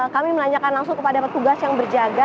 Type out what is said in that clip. kami menanyakan langsung kepada petugas yang berjaga